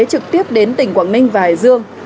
trực tiếp đến tỉnh quảng ninh và hải dương